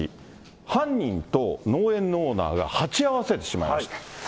犯人と農園のオーナーが鉢合わせてしまいました。